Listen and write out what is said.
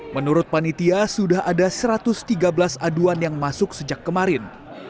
menurut panitia sudah ada satu ratus tiga belas aduan yang masuk sejak kemarin